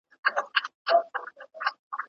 ¬ دا عمه سوه، دا خاله سوه، هلک د جره گۍ مړ سو.